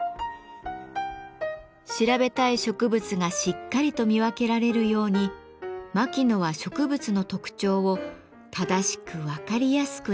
調べたい植物がしっかりと見分けられるように牧野は植物の特徴を正しく分かりやすく描きました。